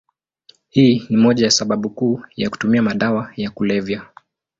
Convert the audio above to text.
Hii ni moja ya sababu kuu ya kutumia madawa ya kulevya.